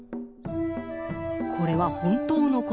これは本当のことか。